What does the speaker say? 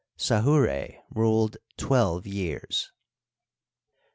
Sahura ruled twelve years.